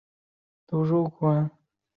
他在瑞士的洛桑去世。